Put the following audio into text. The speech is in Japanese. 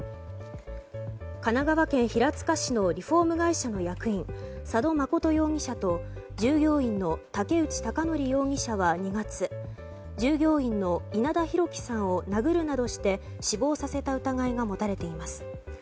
神奈川県平塚市のリフォーム会社の役員佐渡誠容疑者と従業員の武内孝宜容疑者は２月、従業員の稲田裕樹さんを殴るなどして死亡させた疑いが持たれています。